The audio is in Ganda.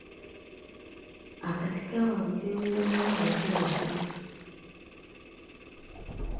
Akati kawali kewuuba nnyo nga empewo ezze.